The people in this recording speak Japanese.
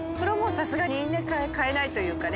さすがにね買えないというか［一］